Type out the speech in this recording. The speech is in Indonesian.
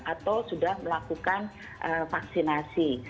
atau sudah melakukan vaksinasi